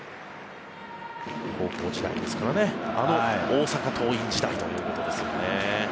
高校時代ですからあの大阪桐蔭時代ということですよね。